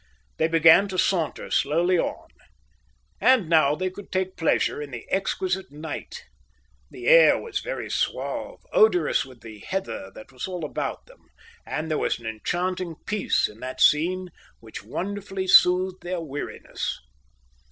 They began to saunter slowly on. And now they could take pleasure in the exquisite night. The air was very suave, odorous with the heather that was all about them, and there was an enchanting peace in that scene which wonderfully soothed their weariness.